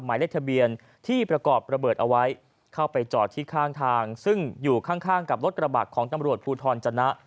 หมายเลขทะเบียนที่ประกอบระเบิดเอาไว้เข้าไปจอดที่ข้างทางซึ่งอยู่ข้างกับรถกระบะของตำรวจภูทรจนะ